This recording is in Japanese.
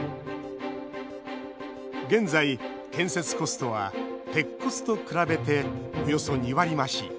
現在、建設コストは鉄骨と比べて、およそ２割増し。